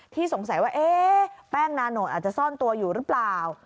สงสัยว่าเอ๊ะแป้งนาโนตอาจจะซ่อนตัวอยู่หรือเปล่า